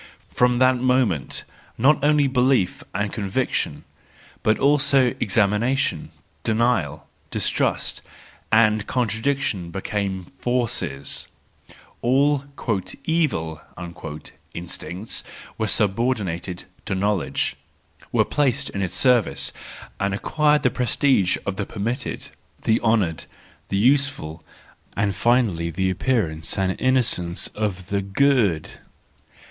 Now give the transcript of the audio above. From that moment, not only belief and conviction, but also examination, denial, distrust and contradiction became forces; all " evil " instincts were subordinated to know¬ ledge, were placed in its service, and acquired the 156 THE JOYFUL WISDOM, III prestige of the permitted, the honoured, the useful, and finally the appearance and innocence of the good